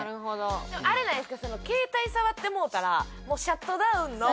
あれないですか？